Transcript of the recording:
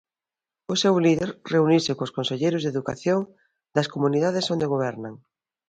O seu líder reuniuse cos conselleiros de Educación das comunidades onde gobernan.